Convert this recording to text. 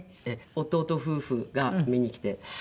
弟夫婦が見に来てくれて。